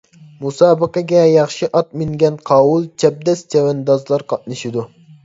مۇسابىقىگە ياخشى ئات مىنگەن قاۋۇل، چەبدەس چەۋەندازلار قاتنىشىدۇ.